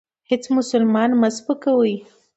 هیڅ مسلمان مه سپکوئ.